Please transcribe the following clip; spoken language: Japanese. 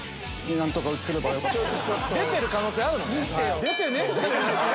出てる可能性あるもんね。